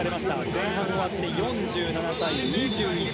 前半が終わって４７対２１。